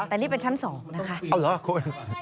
แต่นี่เป็นชั้น๒นะคะ